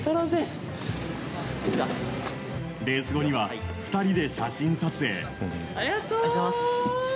レース後には、２人で写真撮影。